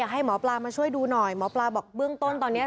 ให้หมอปลามาช่วยดูหน่อยหมอปลาบอกเบื้องต้นตอนนี้